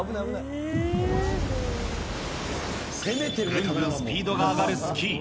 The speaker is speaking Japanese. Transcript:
ぐんぐんスピードが上がるスキー。